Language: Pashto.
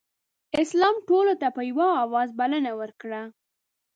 اسلام ټولو ته په یوه اواز بلنه ورکړه.